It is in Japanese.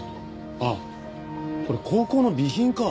あっこれ高校の備品か。